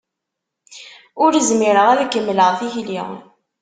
Ur zmireɣ ad kemmleɣ tikli.